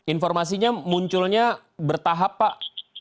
informasinya munculnya bertahap pak